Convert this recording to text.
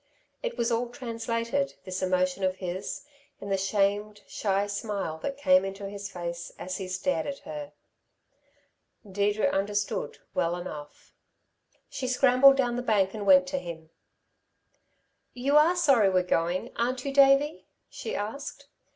It was all translated, this emotion of his, in the shamed, shy smile that came into his face as he stared at her. Deirdre understood well enough. She scrambled down the bank and went to him. "You are sorry we're going, aren't you, Davey?" she asked.